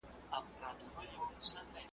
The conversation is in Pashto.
ملاجان وايي وېشونه ازلي دي ,